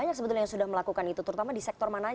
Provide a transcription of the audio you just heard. jadi mereka punya tamaran suruhan dan kebenaran